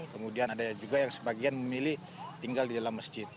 kemudian ada juga yang sebagian memilih tinggal di dalam masjid